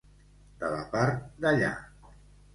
De la part d'allà.